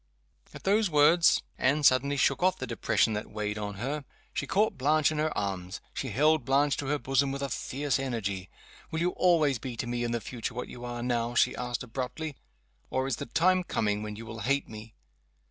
At those words Anne suddenly shook off the depression that weighed on her. She caught Blanche in her arms, she held Blanche to her bosom with a fierce energy. "Will you always be to me, in the future, what you are now?" she asked, abruptly. "Or is the time coming when you will hate me?"